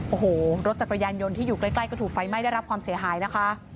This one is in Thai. โอ้โหรถจักรยานยนต์ที่อยู่ใกล้ก็ถูกไฟไหม้ได้รับความเสียหายนะคะ